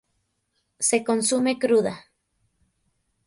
Se consume cruda.